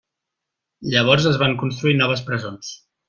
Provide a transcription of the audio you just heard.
Llavors es van construir noves presons.